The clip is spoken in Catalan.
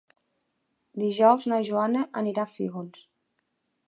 Dijous na Joana anirà a Fígols.